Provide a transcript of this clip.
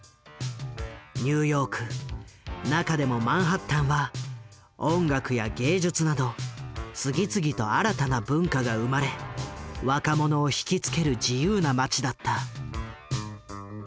ニューヨーク中でもマンハッタンは音楽や芸術など次々と新たな文化が生まれ若者を引き付ける自由な街だった。